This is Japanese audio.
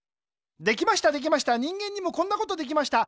できましたできました人間にもこんなことできました。